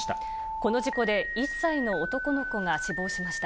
この事故で、１歳の男の子が死亡しました。